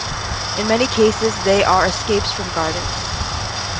In many cases they are escapes from gardens.